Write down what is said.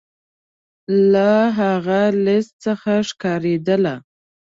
له هغه لیست څخه ښکارېدله.